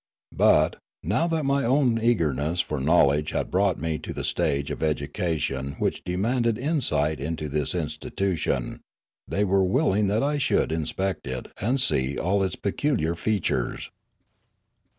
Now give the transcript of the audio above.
But, now that my own eagerness for knowledge had brought me to the stage of education which demanded insight into this institution, they were willing that I should inspect it and see all its peculiar features.